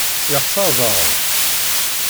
Yexser daɣen?